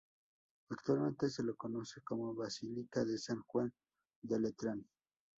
Actualmente se la conoce como Basílica de San Juan de Letrán.